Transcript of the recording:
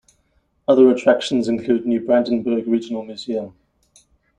Other attractions include Neubrandenburg Regional Museum.